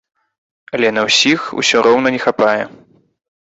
Але на ўсіх усё роўна не хапае!